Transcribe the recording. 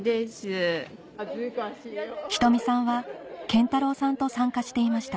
仁美さんは謙太郎さんと参加していました